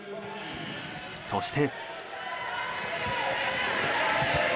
そして。